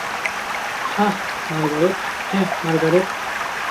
হ্যাঁ, মার্গারেট।